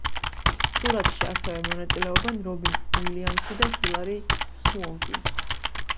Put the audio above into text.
სურათში ასევე მონაწილეობენ რობინ უილიამსი და ჰილარი სუონკი.